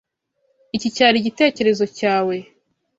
Iki cyari igitekerezo cyawe.